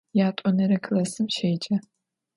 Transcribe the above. Yat'onere klassım şêce.